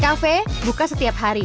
kafe buka setiap hari